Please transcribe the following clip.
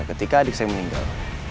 ketika adik saya meninggal